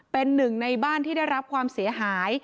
เป็นหนึ่งในบ้านที่ได้รับความเสียหาย